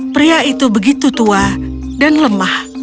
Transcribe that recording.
pria itu begitu tua dan lemah